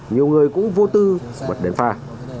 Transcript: nhiều người cũng vô tư bật đèn pha